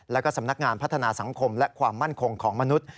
แล้วก็สำนักงานพัฒนาสังคมและความมั่นคงของมนุษย์